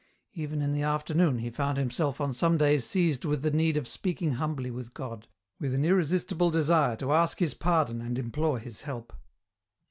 Even in the afternoon he found himself on some days seized with the need of speaking humbly with God, with an irresistible desire to ask His pardon and implore His help.